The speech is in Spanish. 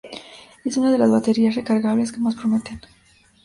Es una de las baterías recargables que más prometen.